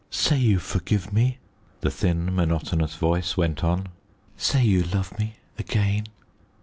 "Say you forgive me," the thin, monotonous voice went on; "say you love me again."